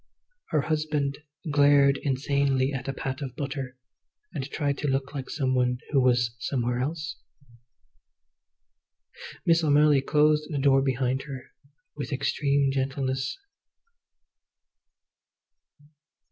Her husband glared insanely at a pat of butter, and tried to look like some one who was somewhere else. Miss O'Malley closed the door behind her with extreme gentleness.